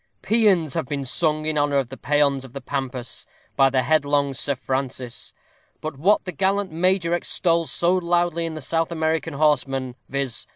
Pæans have been sung in honor of the Peons of the Pampas by the _Head_long Sir Francis; but what the gallant major extols so loudly in the South American horsemen, viz.